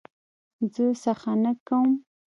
زه څخنک کوم.